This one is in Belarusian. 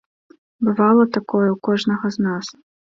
Бывала такое ў кожнага з нас.